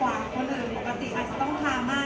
เวลาเจอแสงแดดเราก็อาจจะต้องทักคุณกัน